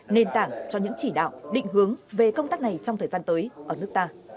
nền tảng cho những chỉ đạo định hướng về công tác này trong thời gian tới ở nước ta